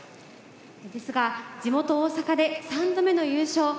ですが地元・大阪で三度目の優勝